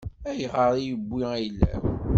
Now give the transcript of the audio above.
Ayɣer i yewwi ayla-w?